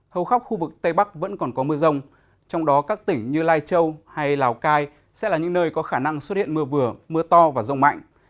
hầu khắp khu vực tây bắc vẫn còn có mưa rông trong đó các tỉnh như lai châu hay lào cai sẽ là những nơi có khả năng xuất hiện mưa vừa mưa to và rông mạnh